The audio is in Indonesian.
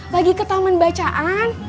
lagi ke taman bacaan